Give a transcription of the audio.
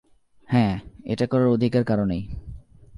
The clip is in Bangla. হ্যাঁ, এটা করার অধিকার কারো নেই।